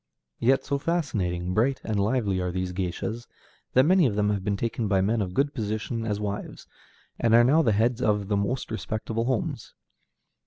Yet so fascinating, bright, and lively are these géishas that many of them have been taken by men of good position as wives, and are now the heads of the most respectable homes.